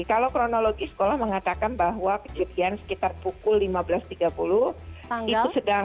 kalau kronologi sekolah mengatakan bahwa kejadian sekitar pukul lima belas tiga puluh itu sedang